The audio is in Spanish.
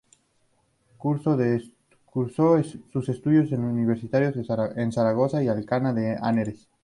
Cursó sus estudios universitarios en Zaragoza y Alcalá de Henares.